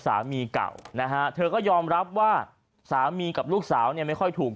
สามีเก่านะฮะเธอก็ยอมรับว่าสามีกับลูกสาวเนี่ยไม่ค่อยถูก